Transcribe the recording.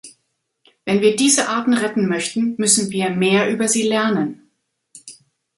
Wenn wir diese Arten retten möchten, müssen wir mehr über sie lernen.